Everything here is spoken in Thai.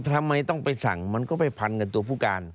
ทำไมต้องไปสั่งมันก็ไปพันกับตัวผู้การ